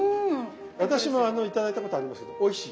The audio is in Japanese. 私も頂いたことありますけどおいしい。